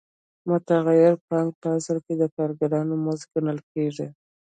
متغیره پانګه په اصل کې د کارګرانو مزد ګڼل کېږي